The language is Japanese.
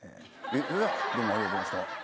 それじゃどうもありがとうございました。